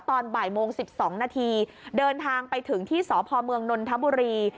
ตอนบ่ายโมง๑๒นาทีเดินทางไปถึงที่สพเมืองนนทบุรี